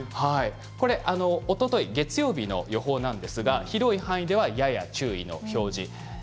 おととい、月曜日の予報ですが広い範囲では、やや注意。